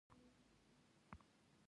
نظام ته یې ایغه نیغه وویله.